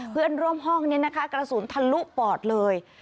เพื่อนร่วมห้องนี้นะคะกระสุนทะลุปอดเลย